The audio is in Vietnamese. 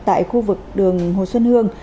tại khu vực đường hồ xuân hương